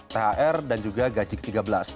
thr dan juga gaji ke tiga belas